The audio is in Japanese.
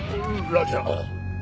ラジャー。